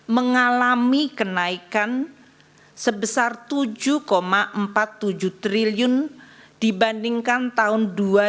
mengalami kenaikan sebesar tujuh empat puluh tujuh triliun dibandingkan tahun dua ribu dua puluh